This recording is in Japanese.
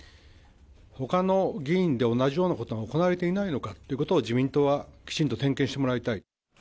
ほかの議員で同じようなことが行われていないのかということを、自民党はきちんと点検してもらいたい。